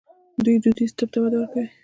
دوی دودیز طب ته وده ورکوي.